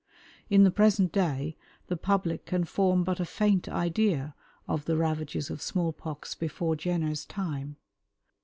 In the present day the public can form but a faint idea of the ravages of small pox before Jenner's time.